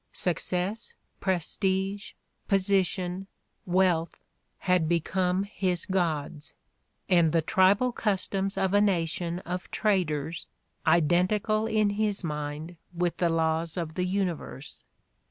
Success, prestige, position, wealth had become his gods and the tribal customs of a nation of traders identical in his mind with the laws of the universe.